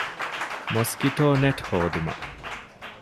މޮސްކިޓޯނެޓް ހޯދުމަށް